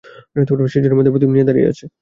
সে ঝড়ের মধ্যে প্রদীপ নিয়ে দাঁড়িয়ে আছে।